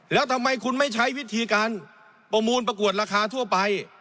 แล้วทำไมคุณไม่ใช้วิธีการประมูลประกวดราคาทั่วไป